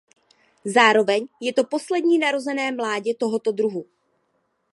Zároveň je to poslední narozené mládě tohoto druhu.